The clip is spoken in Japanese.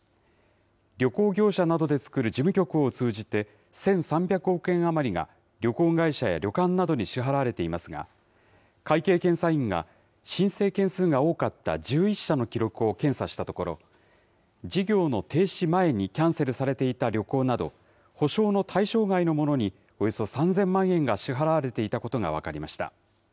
旅行業者などで作る事務局を通じて、１３００億円余りが旅行会社や旅館などに支払われていますが、会計検査院が申請件数が多かった１１社の記録を検査したところ、事業の停止前にキャンセルされていた旅行など、補償の対象外のものにおよそ３０００万円が支払われていたことが分かりました。